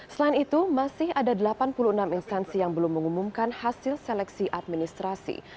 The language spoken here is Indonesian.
selain itu masih ada delapan puluh enam instansi yang belum mengumumkan hasil seleksi administrasi